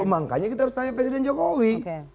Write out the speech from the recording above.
makanya kita harus tanya presiden jokowi